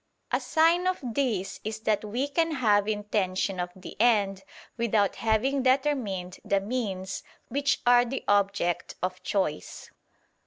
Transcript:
A sign of this is that we can have intention of the end without having determined the means which are the object of choice.